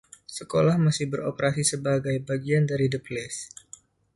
Sekolah masih beroperasi sebagai bagian dari The Place.